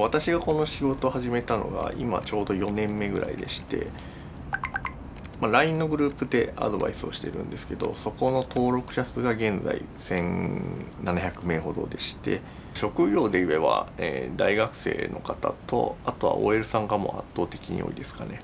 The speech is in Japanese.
私がこの仕事を始めたのが今ちょうど４年目ぐらいでしてＬＩＮＥのグループでアドバイスをしてるんですけどそこの登録者数が現在１，７００名ほどでして職業でいえば大学生の方とあとはＯＬさんが圧倒的に多いですかね。